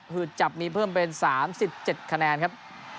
คือจับมีเพิ่มเป็น๓๗คะแนนครับ